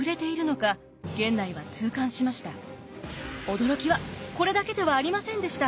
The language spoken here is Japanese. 驚きはこれだけではありませんでした。